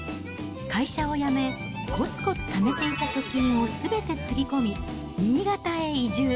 会社を辞め、こつこつためていた貯金をすべてつぎ込み、新潟へ移住。